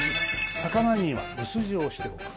魚には薄塩をしておく。